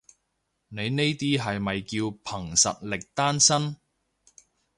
你呢啲係咪叫憑實力單身？